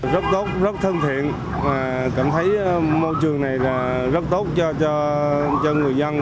rất tốt rất thân thiện và cảm thấy môi trường này rất tốt cho người dân